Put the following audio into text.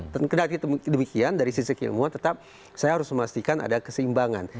dan karena demikian dari sisi keilmuan tetap saya harus memastikan ada keseimbangan